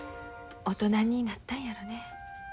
大人になったんやろね。